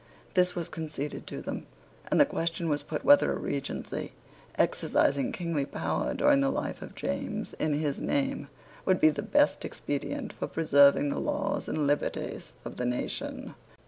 This was conceded to them; and the question was put whether a Regency, exercising kingly power during the life of James, in his name, would be the best expedient for preserving the laws and liberties of the nation?